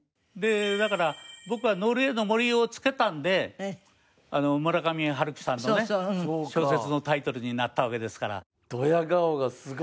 だから僕が『ノルウェーの森』を付けたんであの村上春樹さんのね小説のタイトルになったわけですから。